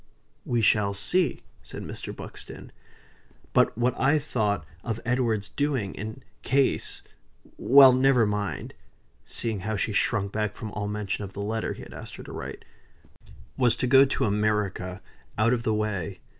"We shall see," said Mr. Buxton. "But what I thought of Edward's doing, in case Well never mind! (seeing how she shrunk back from all mention of the letter he had asked her to write,) was to go to America, out of the way.